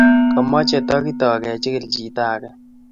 komeche tokinte kechikil chito age